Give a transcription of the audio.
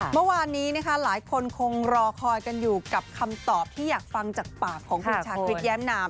เมื่อวานนี้นะคะหลายคนคงรอคอยกันอยู่กับคำตอบที่อยากฟังจากปากของคุณชาคริสแย้มนาม